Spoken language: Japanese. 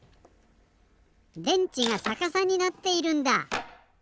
電池がさかさになっているんだ。